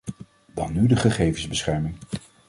Dan nu de gegevensbescherming.